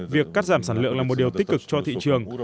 việc cắt giảm sản lượng là một điều tích cực cho thị trường